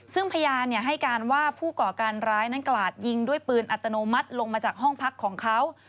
ซึ่งพยานให้การว่าผู้ก่อการร้ายนั้นกลาดยิงด้วยปืนอัตโนมัติลงมาจากห้องพักของเขา